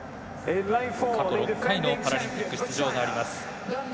過去６回のパラリンピック出場があります。